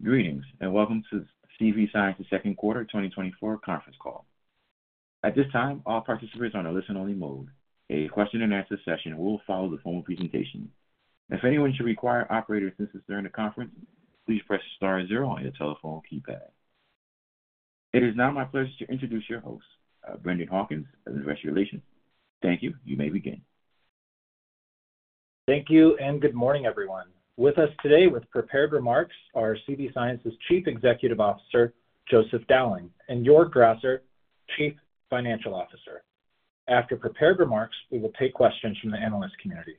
Greetings, and welcome to CV Sciences' second quarter 2024 conference call. At this time, all participants are on a listen-only mode. A question and answer session will follow the formal presentation. If anyone should require operator assistance during the conference, please press star zero on your telephone keypad. It is now my pleasure to introduce your host, Brendan Hawkins, of Investor Relations. Thank you. You may begin. Thank you, and good morning, everyone. With us today with prepared remarks are CV Sciences' Chief Executive Officer, Joseph Dowling, and Joerg Grasser, Chief Financial Officer. After prepared remarks, we will take questions from the analyst community.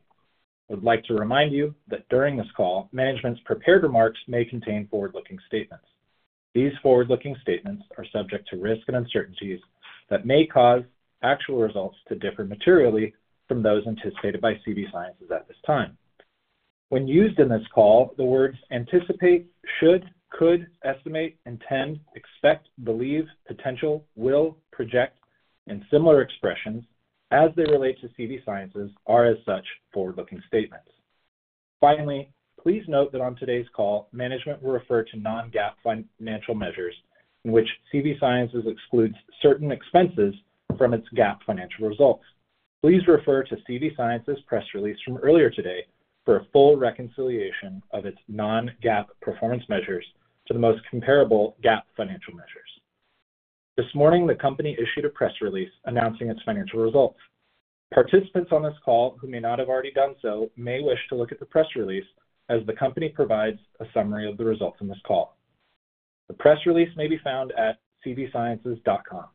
I would like to remind you that during this call, management's prepared remarks may contain forward-looking statements. These forward-looking statements are subject to risks and uncertainties that may cause actual results to differ materially from those anticipated by CV Sciences at this time. When used in this call, the words anticipate, should, could, estimate, intend, expect, believe, potential, will, project, and similar expressions as they relate to CV Sciences are, as such, forward-looking statements. Finally, please note that on today's call, management will refer to non-GAAP financial measures in which CV Sciences excludes certain expenses from its GAAP financial results. Please refer to CV Sciences' press release from earlier today for a full reconciliation of its Non-GAAP performance measures to the most comparable GAAP financial measures. This morning, the company issued a press release announcing its financial results. Participants on this call who may not have already done so may wish to look at the press release as the company provides a summary of the results in this call. The press release may be found at cvsciences.com.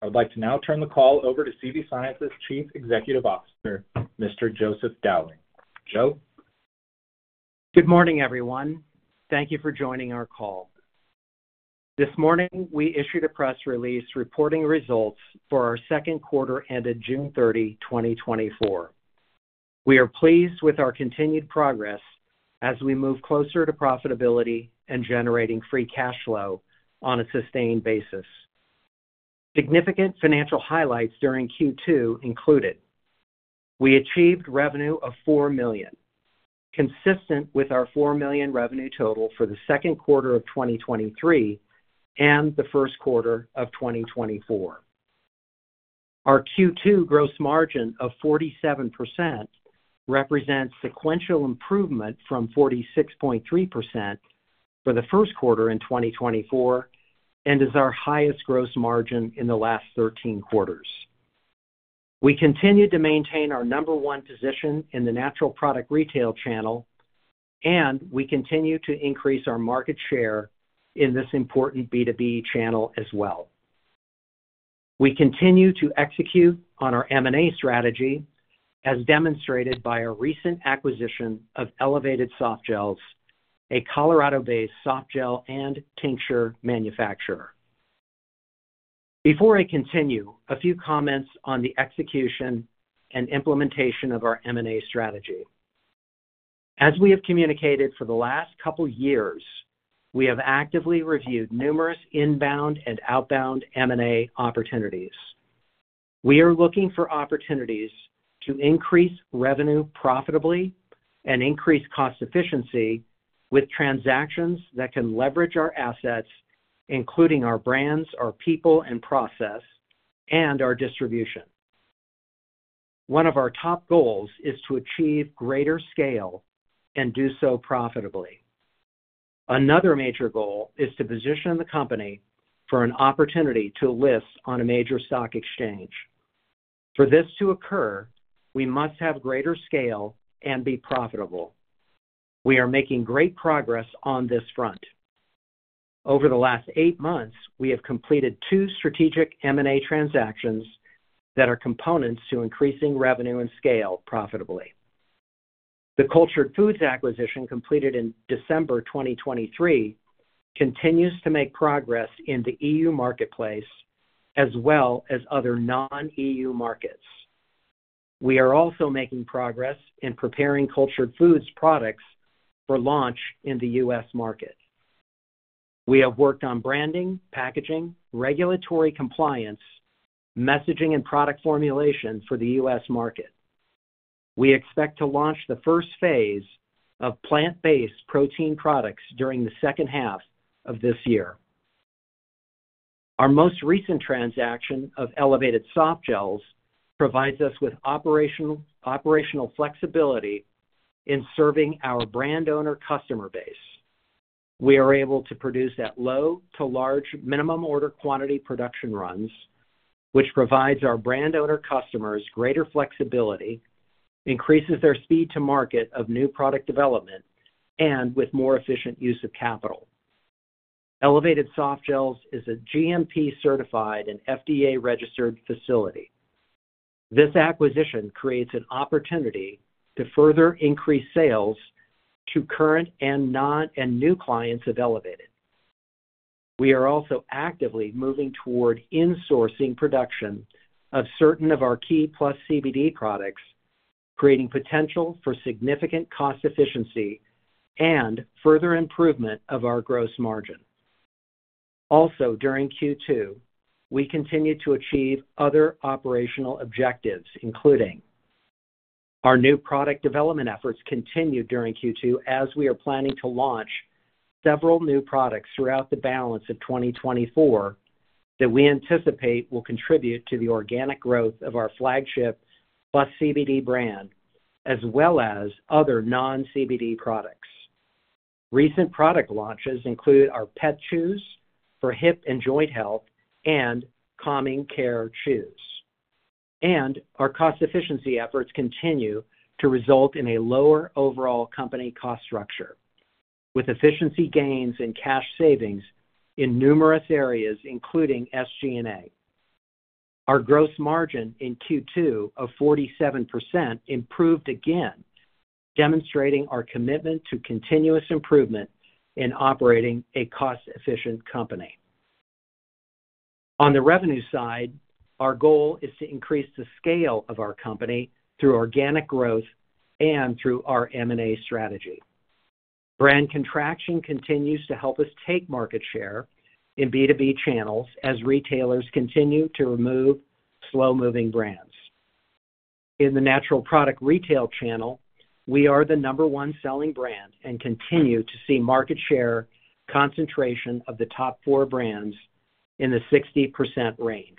I would like to now turn the call over to CV Sciences' Chief Executive Officer, Mr. Joseph Dowling. Joe? Good morning, everyone. Thank you for joining our call. This morning, we issued a press release reporting results for our second quarter ended June 30, 2024. We are pleased with our continued progress as we move closer to profitability and generating free cash flow on a sustained basis. Significant financial highlights during Q2 included: We achieved revenue of $4 million, consistent with our $4 million revenue total for the second quarter of 2023 and the first quarter of 2024. Our Q2 gross margin of 47% represents sequential improvement from 46.3% for the first quarter in 2024 and is our highest gross margin in the last 13 quarters. We continue to maintain our number one position in the natural product retail channel, and we continue to increase our market share in this important B2B channel as well. We continue to execute on our M&A strategy, as demonstrated by our recent acquisition of Elevated Softgels, a Colorado-based softgel and tincture manufacturer. Before I continue, a few comments on the execution and implementation of our M&A strategy. As we have communicated for the last couple years, we have actively reviewed numerous inbound and outbound M&A opportunities. We are looking for opportunities to increase revenue profitably and increase cost efficiency with transactions that can leverage our assets, including our brands, our people and process, and our distribution. One of our top goals is to achieve greater scale and do so profitably. Another major goal is to position the company for an opportunity to list on a major stock exchange. For this to occur, we must have greater scale and be profitable. We are making great progress on this front. Over the last 8 months, we have completed two strategic M&A transactions that are components to increasing revenue and scale profitably. The Cultured Foods acquisition, completed in December 2023, continues to make progress in the EU marketplace as well as other non-EU markets. We are also making progress in preparing Cultured Foods products for launch in the U.S. market. We have worked on branding, packaging, regulatory compliance, messaging, and product formulation for the U.S. market. We expect to launch the first phase of plant-based protein products during the second half of this year. Our most recent transaction of Elevated Softgels provides us with operational flexibility in serving our brand owner customer base. We are able to produce at low to large minimum order quantity production runs, which provides our brand owner customers greater flexibility, increases their speed to market of new product development, and with more efficient use of capital. Elevated Softgels is a GMP-certified and FDA-registered facility. This acquisition creates an opportunity to further increase sales to current and new clients of Elevated. We are also actively moving toward insourcing production of certain of our key PlusCBD products, creating potential for significant cost efficiency and further improvement of our gross margin. Also, during Q2, we continued to achieve other operational objectives, including our new product development efforts continued during Q2, as we are planning to launch several new products throughout the balance of 2024, that we anticipate will contribute to the organic growth of our flagship PlusCBD brand, as well as other non-CBD products. Recent product launches include our pet chews for hip and joint health and calming care chews. Our cost efficiency efforts continue to result in a lower overall company cost structure, with efficiency gains and cash savings in numerous areas, including SG&A. Our gross margin in Q2 of 47% improved again, demonstrating our commitment to continuous improvement in operating a cost-efficient company. On the revenue side, our goal is to increase the scale of our company through organic growth and through our M&A strategy. Brand contraction continues to help us take market share in B2B channels as retailers continue to remove slow-moving brands. In the natural product retail channel, we are the number one selling brand and continue to see market share concentration of the top four brands in the 60% range.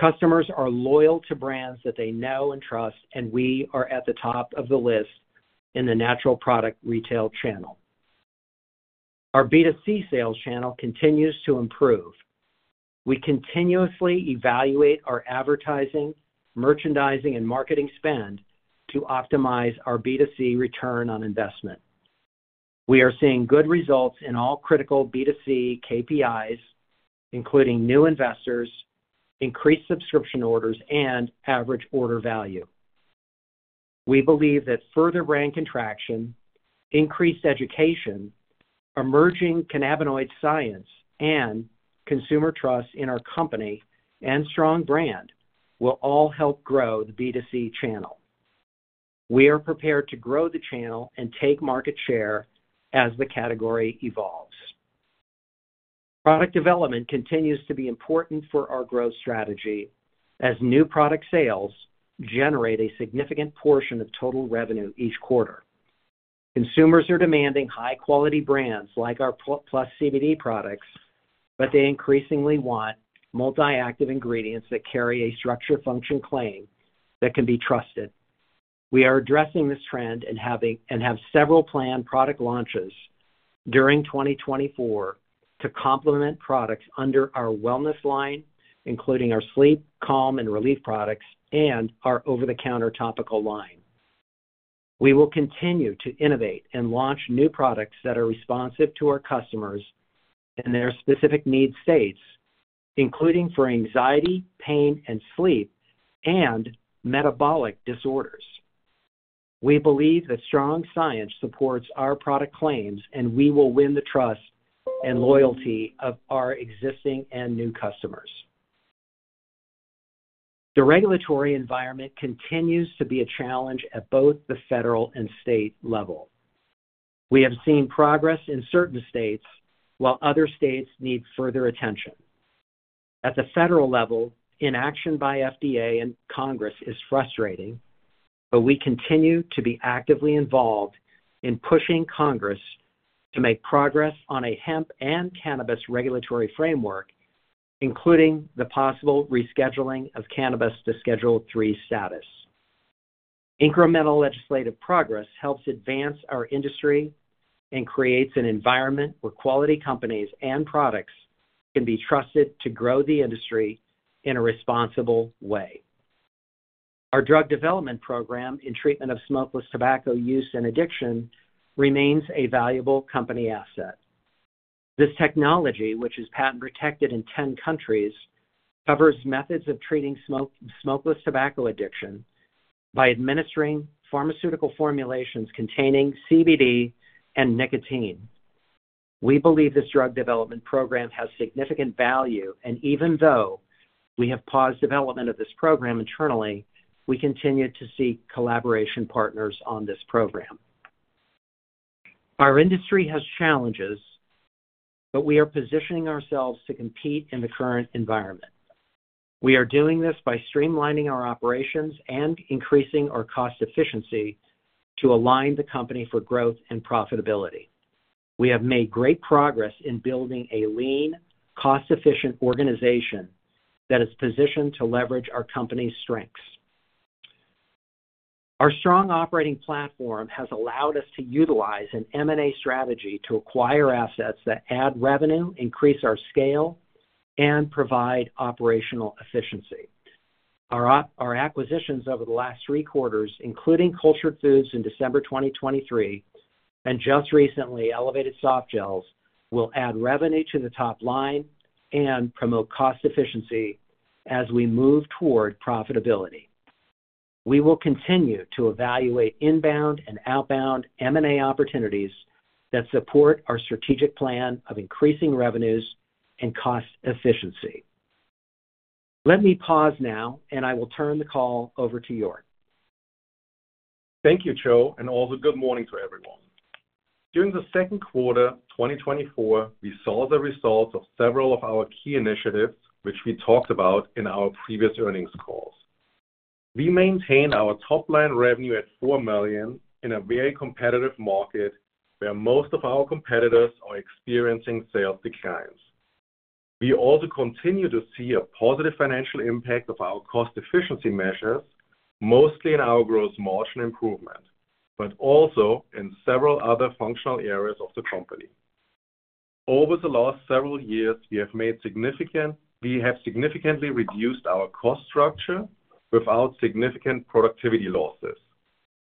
Customers are loyal to brands that they know and trust, and we are at the top of the list in the natural product retail channel. Our B2C sales channel continues to improve. We continuously evaluate our advertising, merchandising, and marketing spend to optimize our B2C return on investment. We are seeing good results in all critical B2C KPIs, including new investors, increased subscription orders, and average order value. We believe that further brand contraction, increased education, emerging cannabinoid science, and consumer trust in our company and strong brand will all help grow the B2C channel. We are prepared to grow the channel and take market share as the category evolves. Product development continues to be important for our growth strategy as new product sales generate a significant portion of total revenue each quarter. Consumers are demanding high-quality brands like our PlusCBD products, but they increasingly want multi-active ingredients that carry a structure/function claim that can be trusted. We are addressing this trend and have several planned product launches during 2024 to complement products under our wellness line, including our sleep, calm, and relief products, and our over-the-counter topical line. We will continue to innovate and launch new products that are responsive to our customers and their specific need states, including for anxiety, pain, and sleep, and metabolic disorders. We believe that strong science supports our product claims, and we will win the trust and loyalty of our existing and new customers. The regulatory environment continues to be a challenge at both the federal and state level. We have seen progress in certain states, while other states need further attention. At the federal level, inaction by FDA and Congress is frustrating, but we continue to be actively involved in pushing Congress to make progress on a hemp and cannabis regulatory framework, including the possible rescheduling of cannabis to Schedule III status. Incremental legislative progress helps advance our industry and creates an environment where quality companies and products can be trusted to grow the industry in a responsible way. Our drug development program in treatment of smokeless tobacco use and addiction remains a valuable company asset. This technology, which is patent-protected in 10 countries, covers methods of treating smokeless tobacco addiction by administering pharmaceutical formulations containing CBD and nicotine. We believe this drug development program has significant value, and even though we have paused development of this program internally, we continue to seek collaboration partners on this program. Our industry has challenges, but we are positioning ourselves to compete in the current environment. We are doing this by streamlining our operations and increasing our cost efficiency to align the company for growth and profitability. We have made great progress in building a lean, cost-efficient organization that is positioned to leverage our company's strengths. Our strong operating platform has allowed us to utilize an M&A strategy to acquire assets that add revenue, increase our scale, and provide operational efficiency. Our acquisitions over the last three quarters, including Cultured Foods in December 2023, and just recently, Elevated Softgels, will add revenue to the top line and promote cost efficiency as we move toward profitability. We will continue to evaluate inbound and outbound M&A opportunities that support our strategic plan of increasing revenues and cost efficiency. Let me pause now, and I will turn the call over to Joerg.... Thank you, Joe, and also good morning to everyone. During the second quarter 2024, we saw the results of several of our key initiatives, which we talked about in our previous earnings calls. We maintained our top-line revenue at $4 million in a very competitive market, where most of our competitors are experiencing sales declines. We also continue to see a positive financial impact of our cost efficiency measures, mostly in our gross margin improvement, but also in several other functional areas of the company. Over the last several years, we have significantly reduced our cost structure without significant productivity losses,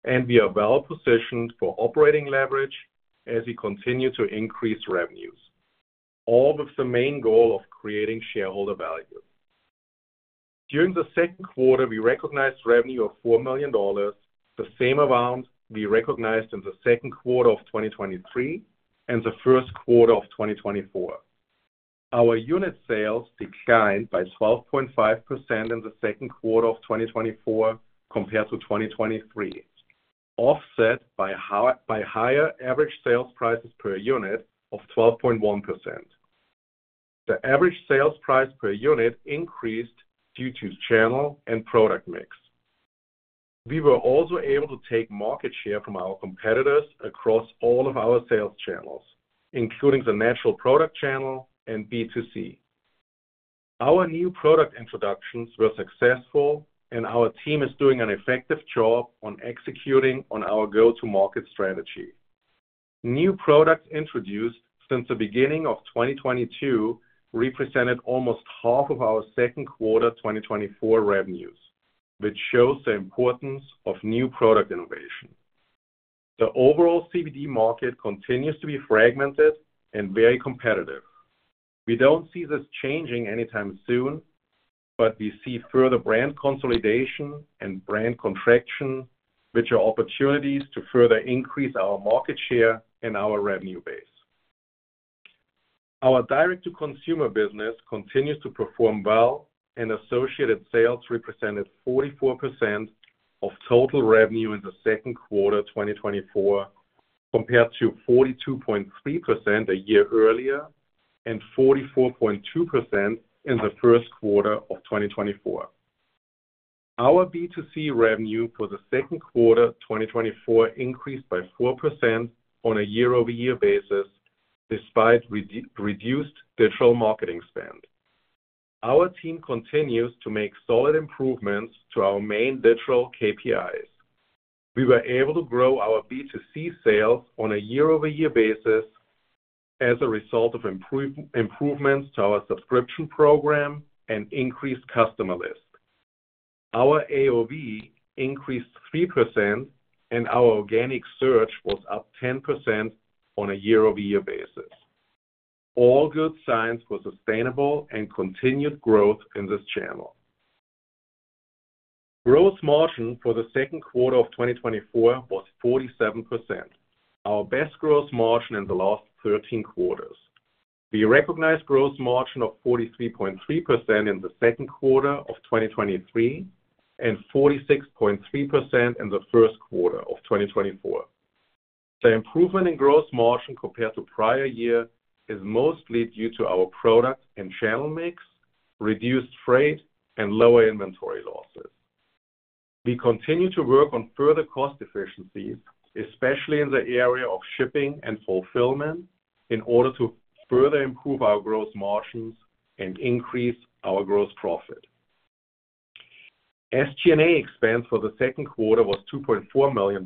and we are well positioned for operating leverage as we continue to increase revenues, all with the main goal of creating shareholder value. During the second quarter, we recognized revenue of $4 million, the same amount we recognized in the second quarter of 2023 and the first quarter of 2024. Our unit sales declined by 12.5% in the second quarter of 2024 compared to 2023, offset by higher average sales prices per unit of 12.1%. The average sales price per unit increased due to channel and product mix. We were also able to take market share from our competitors across all of our sales channels, including the natural product channel and B2C. Our new product introductions were successful, and our team is doing an effective job on executing on our go-to-market strategy. New products introduced since the beginning of 2022 represented almost half of our second quarter 2024 revenues, which shows the importance of new product innovation. The overall CBD market continues to be fragmented and very competitive. We don't see this changing anytime soon, but we see further brand consolidation and brand contraction, which are opportunities to further increase our market share and our revenue base. Our direct-to-consumer business continues to perform well, and associated sales represented 44% of total revenue in the second quarter 2024, compared to 42.3% a year earlier, and 44.2% in the first quarter of 2024. Our B2C revenue for the second quarter 2024 increased by 4% on a year-over-year basis, despite reduced digital marketing spend. Our team continues to make solid improvements to our main digital KPIs. We were able to grow our B2C sales on a year-over-year basis as a result of improvements to our subscription program and increased customer list. Our AOV increased 3% and our organic search was up 10% on a year-over-year basis. All good signs for sustainable and continued growth in this channel. Gross margin for the second quarter of 2024 was 47%, our best gross margin in the last 13 quarters. We recognized gross margin of 43.3% in the second quarter of 2023, and 46.3% in the first quarter of 2024. The improvement in gross margin compared to prior year is mostly due to our product and channel mix, reduced freight, and lower inventory losses. We continue to work on further cost efficiencies, especially in the area of shipping and fulfillment, in order to further improve our gross margins and increase our gross profit. SG&A expense for the second quarter was $2.4 million,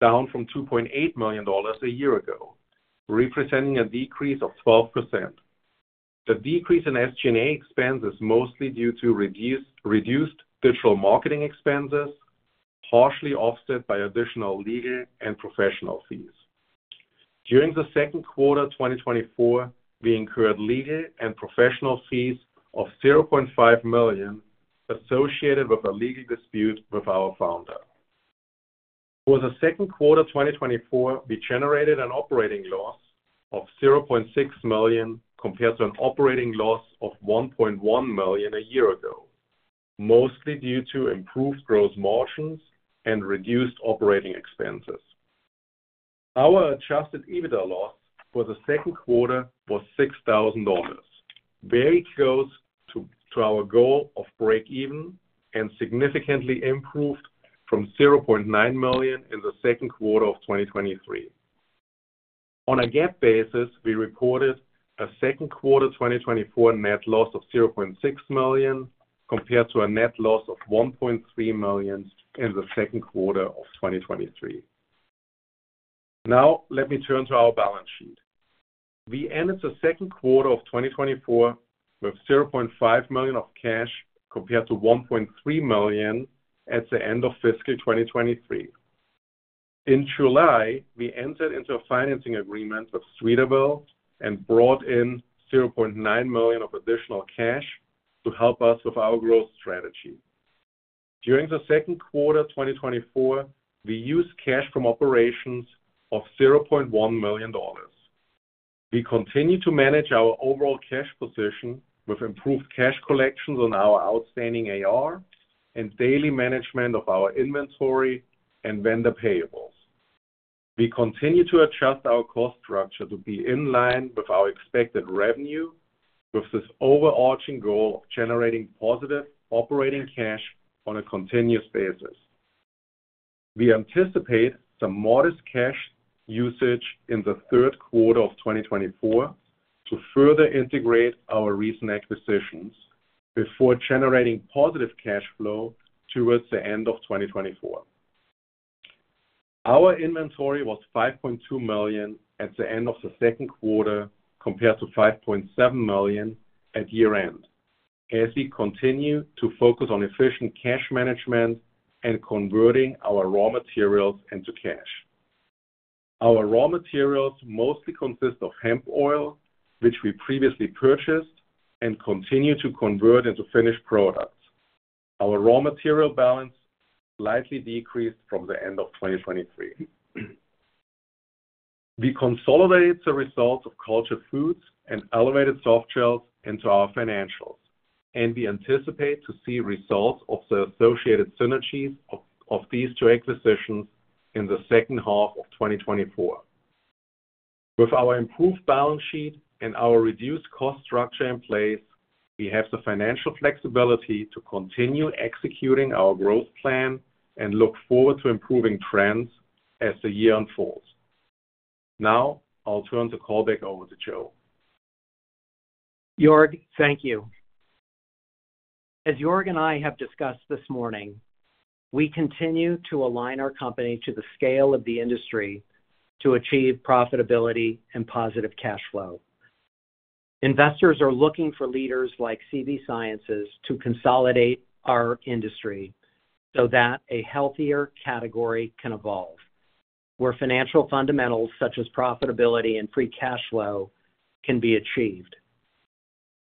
down from $2.8 million a year ago, representing a decrease of 12%. The decrease in SG&A expense is mostly due to reduced digital marketing expenses, partially offset by additional legal and professional fees. During the second quarter of 2024, we incurred legal and professional fees of $0.5 million, associated with a legal dispute with our founder. For the second quarter of 2024, we generated an operating loss of $0.6 million, compared to an operating loss of $1.1 million a year ago, mostly due to improved gross margins and reduced operating expenses. Our adjusted EBITDA loss for the second quarter was $6,000, very close to our goal of break even and significantly improved from $0.9 million in the second quarter of 2023. On a GAAP basis, we reported a second quarter 2024 net loss of $0.6 million, compared to a net loss of $1.3 million in the second quarter of 2023. Now, let me turn to our balance sheet. We ended the second quarter of 2024 with $0.5 million of cash, compared to $1.3 million at the end of fiscal 2023. In July, we entered into a financing agreement with Streeterville and brought in $0.9 million of additional cash to help us with our growth strategy. During the second quarter of 2024, we used cash from operations of $0.1 million. We continue to manage our overall cash position with improved cash collections on our outstanding AR and daily management of our inventory and vendor payables. We continue to adjust our cost structure to be in line with our expected revenue, with this overarching goal of generating positive operating cash on a continuous basis. We anticipate some modest cash usage in the third quarter of 2024 to further integrate our recent acquisitions before generating positive cash flow towards the end of 2024. Our inventory was $5.2 million at the end of the second quarter, compared to $5.7 million at year-end, as we continue to focus on efficient cash management and converting our raw materials into cash. Our raw materials mostly consist of hemp oil, which we previously purchased and continue to convert into finished products. Our raw material balance slightly decreased from the end of 2023. We consolidated the results of Cultured Foods and Elevated Softgels into our financials, and we anticipate to see results of the associated synergies of these two acquisitions in the second half of 2024. With our improved balance sheet and our reduced cost structure in place, we have the financial flexibility to continue executing our growth plan and look forward to improving trends as the year unfolds. Now I'll turn the call back over to Joe. Joerg, thank you. As Joerg and I have discussed this morning, we continue to align our company to the scale of the industry to achieve profitability and positive cash flow. Investors are looking for leaders like CV Sciences to consolidate our industry so that a healthier category can evolve, where financial fundamentals such as profitability and free cash flow can be achieved.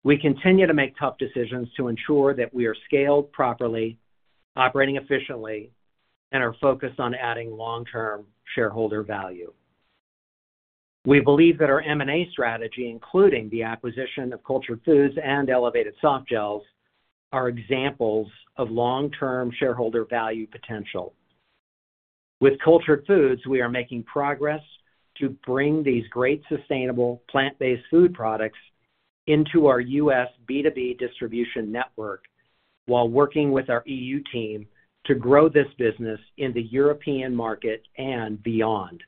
We continue to make tough decisions to ensure that we are scaled properly, operating efficiently, and are focused on adding long-term shareholder value. We believe that our M&A strategy, including the acquisition of Cultured Foods and Elevated Softgels, are examples of long-term shareholder value potential. With Cultured Foods, we are making progress to bring these great, sustainable, plant-based food products into our U.S. B2B distribution network, while working with our E.U. team to grow this business in the European market and beyond.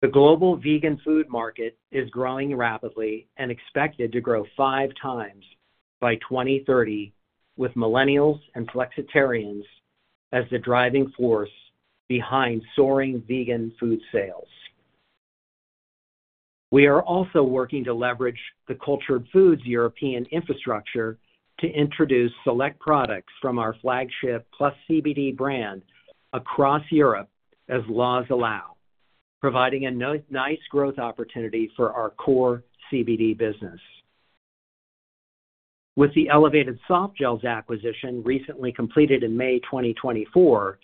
The global vegan food market is growing rapidly and expected to grow five times by 2030, with millennials and flexitarians as the driving force behind soaring vegan food sales. We are also working to leverage the Cultured Foods European infrastructure to introduce select products from our flagship PlusCBD brand across Europe, as laws allow, providing a nice growth opportunity for our core CBD business. With the Elevated Softgels acquisition recently completed in May 2024,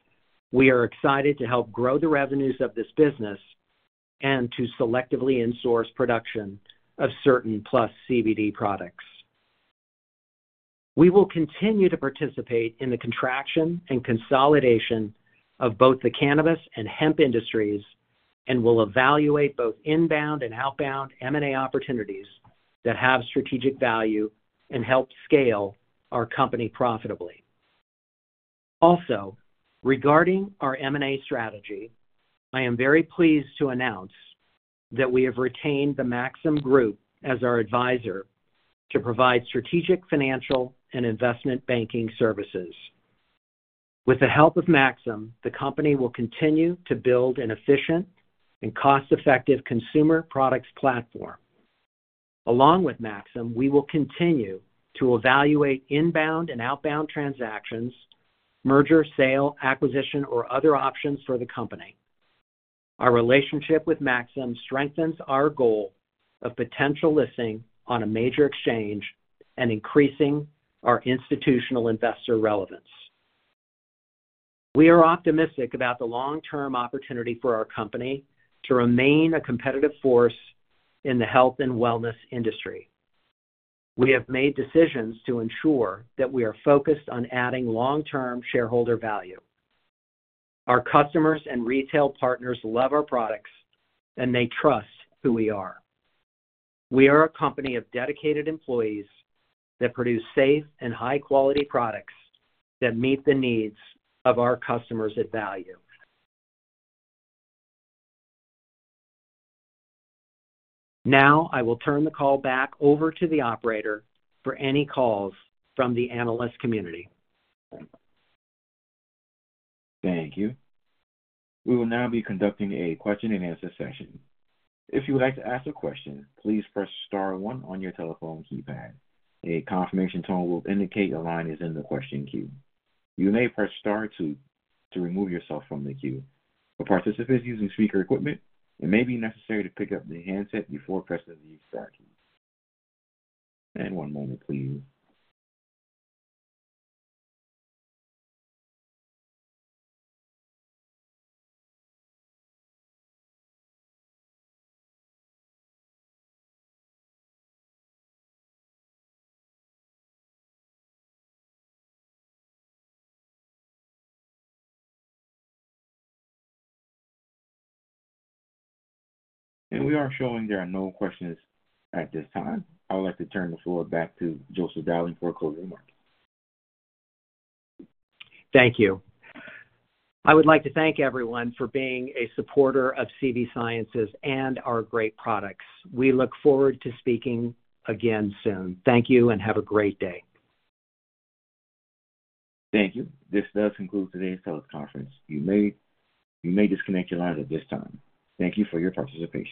we are excited to help grow the revenues of this business and to selectively in-source production of certain PlusCBD products. We will continue to participate in the contraction and consolidation of both the cannabis and hemp industries, and will evaluate both inbound and outbound M&A opportunities that have strategic value and help scale our company profitably. Also, regarding our M&A strategy, I am very pleased to announce that we have retained the Maxim Group as our advisor to provide strategic, financial, and investment banking services. With the help of Maxim, the company will continue to build an efficient and cost-effective consumer products platform. Along with Maxim, we will continue to evaluate inbound and outbound transactions, merger, sale, acquisition, or other options for the company. Our relationship with Maxim strengthens our goal of potential listing on a major exchange and increasing our institutional investor relevance. We are optimistic about the long-term opportunity for our company to remain a competitive force in the health and wellness industry. We have made decisions to ensure that we are focused on adding long-term shareholder value. Our customers and retail partners love our products, and they trust who we are. We are a company of dedicated employees that produce safe and high-quality products that meet the needs of our customers at value. Now, I will turn the call back over to the operator for any calls from the analyst community. Thank you. We will now be conducting a question-and-answer session. If you would like to ask a question, please press star one on your telephone keypad. A confirmation tone will indicate your line is in the question queue. You may press star two to remove yourself from the queue. For participants using speaker equipment, it may be necessary to pick up the handset before pressing the star key. And one moment, please. And we are showing there are no questions at this time. I would like to turn the floor back to Joseph Dowling for closing remarks. Thank you. I would like to thank everyone for being a supporter of CV Sciences and our great products. We look forward to speaking again soon. Thank you and have a great day. Thank you. This does conclude today's teleconference. You may, you may disconnect your line at this time. Thank you for your participation.